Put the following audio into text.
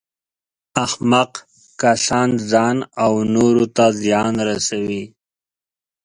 احمق کسان ځان او نورو ته زیان رسوي.